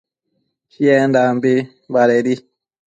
Chiendambi badedi